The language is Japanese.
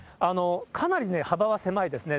かなり幅は狭いですね。